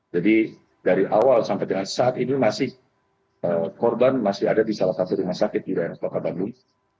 jadi dari awal sampai dengan saat ini masih korban masih ada di salah satu rumah sakit di daerah kota bandung